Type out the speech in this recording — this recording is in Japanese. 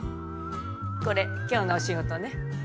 これ今日のお仕事ね。